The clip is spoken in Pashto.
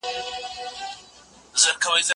زه به سبا ليکنه کوم؟